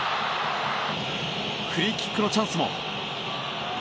フリーキックのチャンスも。